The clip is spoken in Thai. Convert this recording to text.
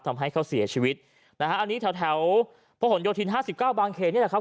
ทำให้เขาเสียชีวิตนะฮะอันนี้แถวแถวพระหลโยธินห้าสิบเก้าบางเขนนี่แหละครับ